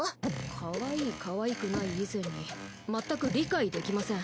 かわいいかわいくない以前にまったく理解できません。